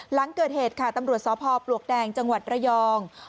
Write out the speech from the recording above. หลังเกิดเหตุค่ะตำรวจสพปลวกแดงจังหวัดระยอง